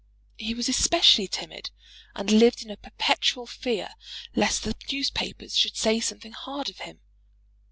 He was especially timid, and lived in a perpetual fear lest the newspapers should say something hard of him.